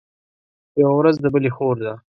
يوه ورځ د بلي خور ده.